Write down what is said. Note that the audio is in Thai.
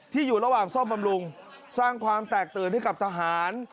อยู่ระหว่างซ่อมบำรุงสร้างความแตกตื่นให้กับทหาร